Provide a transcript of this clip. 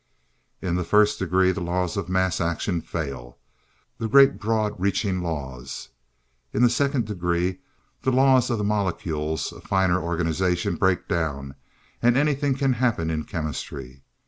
"In the First Degree, the laws of mass action fail, the great broad reaching laws. In the Second Degree, the laws of the molecules, a finer organization, break down, and anything can happen in chemistry.